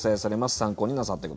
参考になさって下さい。